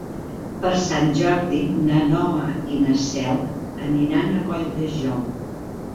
Per Sant Jordi na Noa i na Cel aniran a Colldejou.